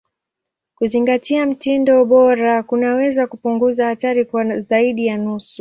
Kuzingatia mtindo bora kunaweza kupunguza hatari kwa zaidi ya nusu.